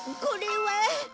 これは？